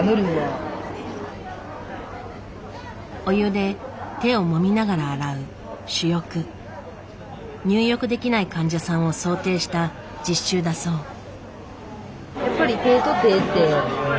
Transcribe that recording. お湯で手をもみながら洗う入浴できない患者さんを想定した実習だそう。